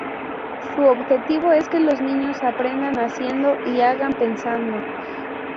Su objetivo es que los niños aprendan haciendo y hagan pensando.